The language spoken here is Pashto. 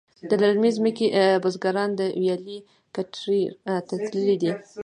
د للمې ځمکې بزگران د ویالې کټیر ته تللي دي.